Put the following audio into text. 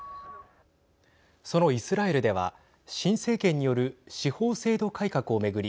そのイスラエルでは新政権による司法制度改革を巡り